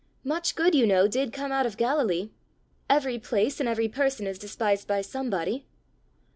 Much good, you know, did come out of Galilee! Every place and every person is despised by somebody!"